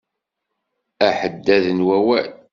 Aḥeddad n wawal.